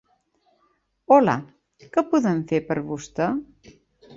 Hola, què podem fer per vostè?